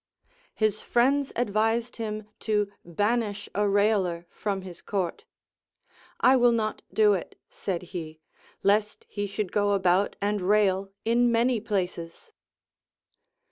His friends advised him to banish a railer his court, ΐ will not do it, said he, lest he should go about and rail in many places.